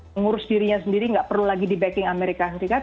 mengurus dirinya sendiri nggak perlu lagi di backing amerika serikat